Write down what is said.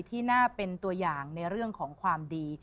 ที่น่าเป็นตัวอย่างในเรื่องของความดี